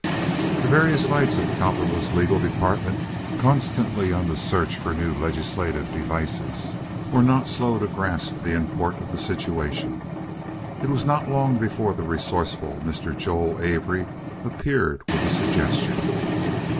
The various lights of Cowperwood's legal department, constantly on the search for new legislative devices, were not slow to grasp the import of the situation. It was not long before the resourceful Mr. Joel Avery appeared with a suggestion.